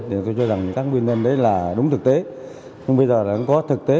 thì tôi cho rằng các nguyên nhân đấy là đúng thực tế nhưng bây giờ là cũng có thực tế